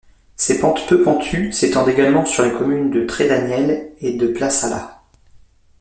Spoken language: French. Ses pentes peu pentues s'étendent également sur les communes de Trédaniel et de Plessala.